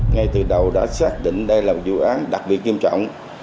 ngay từ đầu đã xác định đây là một vụ án đặc biệt nghiêm trọng